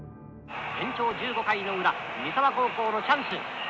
延長１５回の裏三沢高校のチャンス。